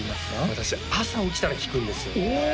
私朝起きたら聴くんですよねお！